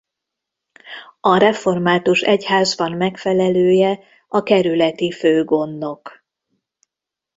A református egyházban megfelelője a kerületi főgondnok.